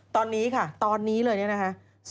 ตอนนี้ค่ะตอนนี้เลยเนี่ยนะคะ